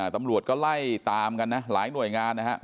ตำรวจก็ไล่ตามกันนะหลายหน่วยงานนะฮะ